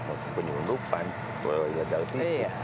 maksudnya penyelundupan pola wajah dalvisi